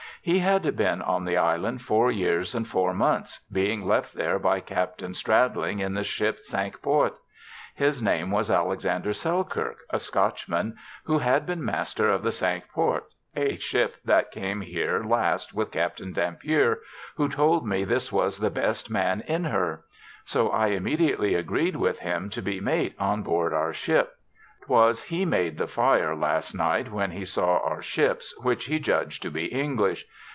He had been on the island four years and four months, being left there by Captain Stradling in the ship ^ Cinque Ports.' His name was Alexander Selkirk, a Scotchman, who had been master of the * Cinque Ports,' a ship that came here last with Capt Dampier, who told me this was the best man in her; so I immediately agreed with him to be mate on board our ship. " 'Twas he made the fire last night when he saw our ships, which he judg'd to be English.